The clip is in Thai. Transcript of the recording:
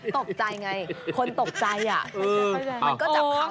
ตกใจไงคนตกใจอ่ะมันก็จับเข้า